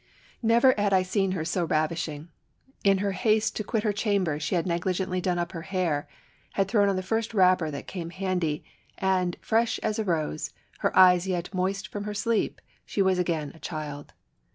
Never had I seen her so ravishing. In her haste to quit her chamber, she had negligently done up her hair, had thrown on the first wrapper that came handy ; and, fresh as a rose, her eyes yet moist from her sleep, she was again a child.